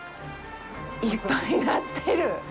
いっぱいなってる。